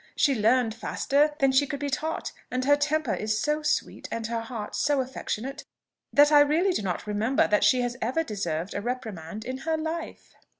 She learned faster than she could be taught; and her temper is so sweet, and her heart so affectionate, that I really do not remember that she has ever deserved a reprimand in her life."